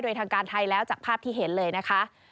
โดยทางการไทยแล้วจากภาพที่เห็นเลยนะคะ